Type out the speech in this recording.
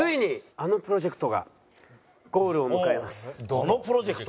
あのプロジェクト？